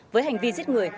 với hành vi giết người